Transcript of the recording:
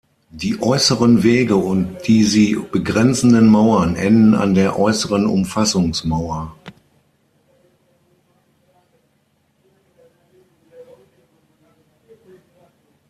Die äußeren Wege und die sie begrenzenden Mauern enden an der äußeren Umfassungsmauer.